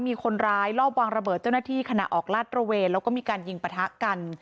มีคนร้ายรอบวางระเบิดเจ้าหน้าที่ขณะออกลาดระเวนแล้วก็มีการยิงปะทะกัน